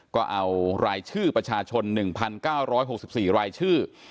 ก็เอารายชื่อประชาชน๑๙๖๔รายชื่อ